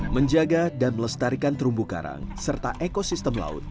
menjaga dan melestarikan terumbu karang serta ekosistem laut